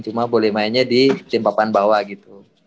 cuma boleh mainnya di tim papan bawah gitu